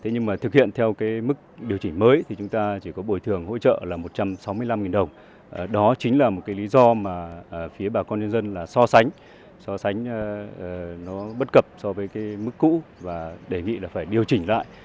nó bất cập so với mức cũ và đề nghị là phải điều chỉnh lại